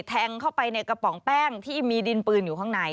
แทงเข้าไปในกระป๋องแป้งที่มีดินปืนอยู่ข้างใน